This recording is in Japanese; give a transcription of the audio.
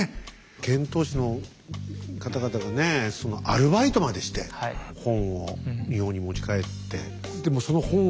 遣唐使の方々がねアルバイトまでして本を日本に持ち帰って。